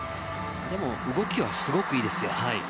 でも動きはすごくいいですよ。